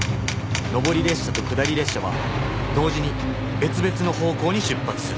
上り列車と下り列車は同時に別々の方向に出発する